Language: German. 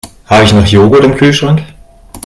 Habe ich noch Joghurt im Kühlschrank?